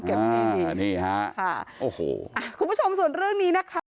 ที่เหนือนี่ฮะค่ะโอ้โหอ่ะคุณผู้ชมส่วนเรื่องนี้นะคะ